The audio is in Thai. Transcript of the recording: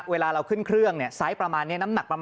เวลาเราขึ้นเครื่องเนี่ยไซส์ประมาณนี้